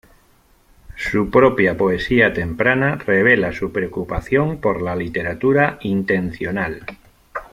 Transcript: Su propia poesía temprana revela su preocupación por la literatura intencional.